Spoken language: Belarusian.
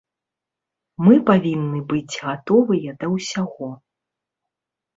Мы павінны быць гатовыя да ўсяго.